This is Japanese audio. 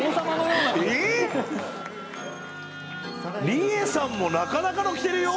利枝さんもなかなかの着てるよ。